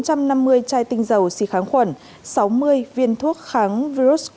một trăm năm mươi chai tinh dầu xì kháng khuẩn sáu mươi viên thuốc kháng virus